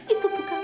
itu bukan teroris